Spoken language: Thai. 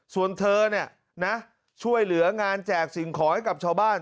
ส่วนเธอเนี่ยนะช่วยเหลืองานแจกสิ่งขอให้กับชาวบ้าน